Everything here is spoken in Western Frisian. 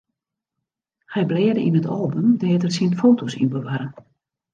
Hy blêde yn it album dêr't er syn foto's yn bewarre.